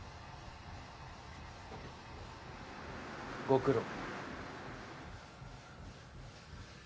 ご苦労。